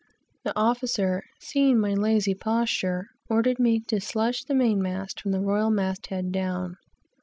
The officer, seeing my lazy posture, ordered me to slush the main mast, from the royal mast head, down.